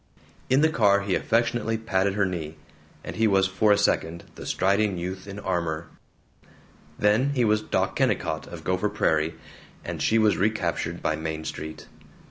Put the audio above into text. In the car he affectionately patted her knee, and he was for a second the striding youth in armor; then he was Doc Kennicott of Gopher Prairie, and she was recaptured by Main Street.